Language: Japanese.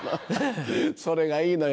それがいいのよ